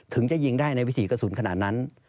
ถึงจะยิงได้ในวิถีกระสุนขนาดนั้น